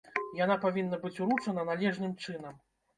Яна павінна быць уручана належным чынам.